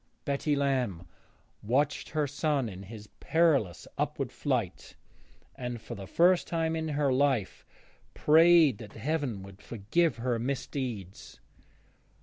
Betty Lamb watched her son in his perilous upward flight, and, for the first time in her life, prayed that Heaven would forgive her misdeeds.